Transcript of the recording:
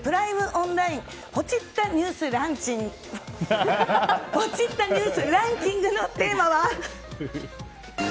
オンラインポチッたニュースランキングのテーマは。